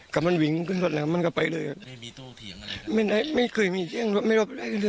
กลับไปเรื่องบ้านไม่เคยมีมีคมรอบ